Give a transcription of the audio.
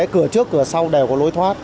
cửa trước cửa sau đều có lối thoát